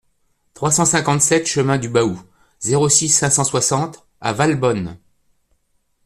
trois cent cinquante-sept chemin du Baou, zéro six, cinq cent soixante à Valbonne